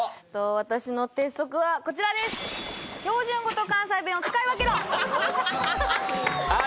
私の鉄則はこちらですああ